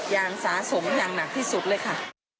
อย่างสะสมอย่างหนักที่สุดเลยค่ะ